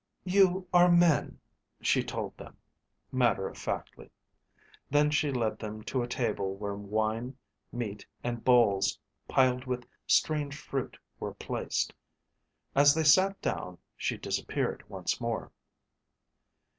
"You are men," she told them, matter of factly. Then she led them to a table where wine, meat, and bowls piled with strange fruit were placed. As they sat down, she disappeared once more.